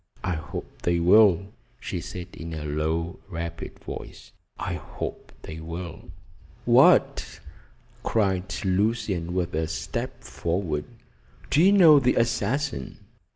"I hope they will," she said in a low, rapid voice. "I hope they will." "What!" cried Lucian, with a step forward. "Do you know the assassin?"